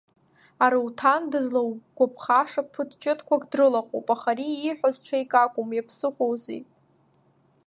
Аруҭан дызлаугәаԥхаша ԥыҭ-чыҭқәак дрылаҟоуп, аха ари ииҳәаз ҽеик акәым, иаԥсыхәозеи?